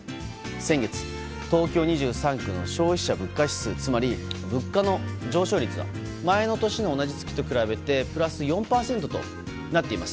先月、東京２３区の消費者物価指数つまり物価の上昇率は前の年の同じ月と比べてプラス４％となっています。